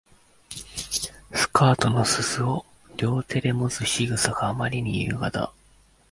スカートの裾を両手でもつ仕草があまりに優雅だ